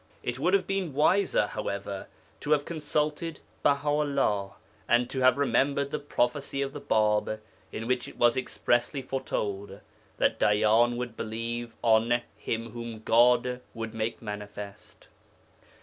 It would have been wiser, however, to have consulted Baha 'ullah, and to have remembered the prophecy of the Bāb, in which it was expressly foretold that Dayyan would believe on 'Him whom God would make manifest.'